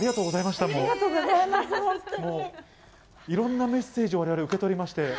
いろんなメッセージを我々、受け取りまして。